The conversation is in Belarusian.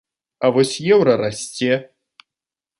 А вось еўра расце.